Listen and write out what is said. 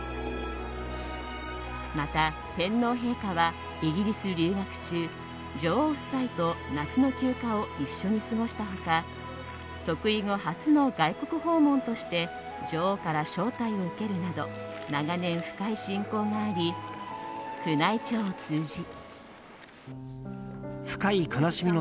また、天皇陛下はイギリス留学中女王夫妻と夏の休暇を一緒に過ごした他即位後初の外国訪問として女王から招待を受けるなど長年深い親交があり宮内庁を通じ。